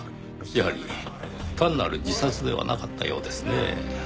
やはり単なる自殺ではなかったようですねぇ。